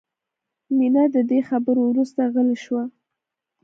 مینه د دې خبرو وروسته غلې شوه